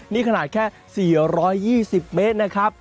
นี่ขนาดแค่๔๒๐เมตรนะครับ